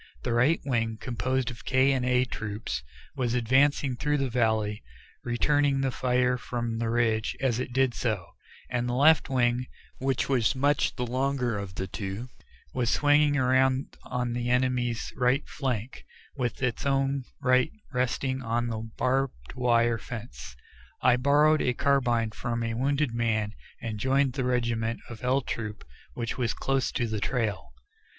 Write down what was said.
The right wing, composed of K and A Troops, was advancing through the valley, returning the fire from the ridge as it did so, and the left wing, which was much the longer of the two, was swinging around on the enemy's right flank, with its own right resting on the barbed wire fence. I borrowed a carbine from a wounded man, and joined the remnant of L Troop which was close to the trail.